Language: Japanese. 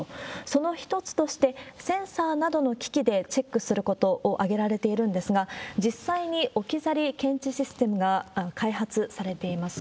その一つとして、センサーなどの機器でチェックすることを挙げられているんですが、実際に置き去り検知システムが開発されています。